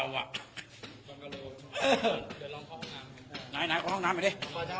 เดี๋ยวลองเข้าห้องน้ำนายนายเข้าห้องน้ำมาดิ